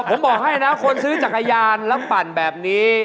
ผมบอกให้นะคนซื้อจักรยานแล้วปั่นแบบนี้